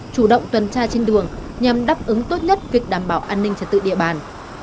chủ động tuần tra trên đường nhằm đáp ứng tốt nhất việc đảm bảo an ninh trật tự địa bàn